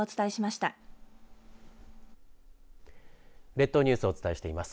列島ニュースをお伝えしています。